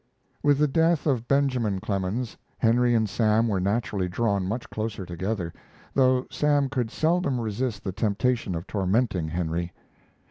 With the death of Benjamin Clemens, Henry and Sam were naturally drawn much closer together, though Sam could seldom resist the temptation of tormenting Henry.